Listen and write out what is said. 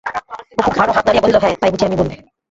অপু ঘাড় ও হাত নাড়িয়া বলিল, হ্যাঁ, তাই বুঝি আমি বলি।